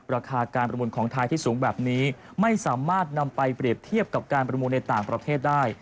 ราคาการประมูลของไทยที่สูงแบบนี้ไม่สามารถนำไปเปรียบเทียบกับการประมูลในต่างประเทศได้